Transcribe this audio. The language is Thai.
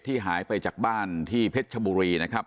หายไปจากบ้านที่เพชรชบุรีนะครับ